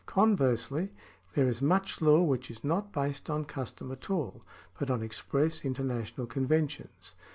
Conversely there is much law which is not based on custom at all, but on express international conventions.